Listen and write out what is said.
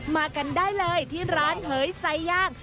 มากันได้เลยที่ร้านเหยไซย่าง